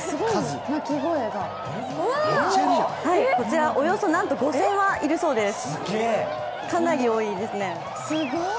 こちらおよそなんと５０００羽いるそうです、かなり多いですね。